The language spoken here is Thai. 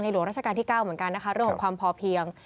หลวงราชการที่๙เหมือนกันนะคะเรื่องของความพอเพียง